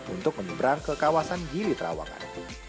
untuk menyeberang ke kawasan gili trawangan